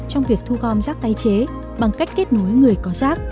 trong việc thu gom rác tái chế bằng cách kết nối người có rác